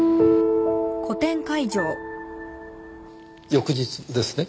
翌日ですね？